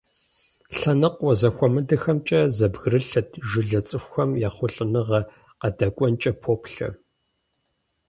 Лъэныкъуэ зэхуэмыдэхэмкӀэ зэбгрылъэт жылэ цӀыкӀухэм ехъулӀэныгъэ къадэкӏуэнкӀэ поплъэ.